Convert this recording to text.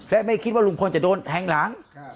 และไม่คิดว่าลุงพลจะโดนแทงหลัง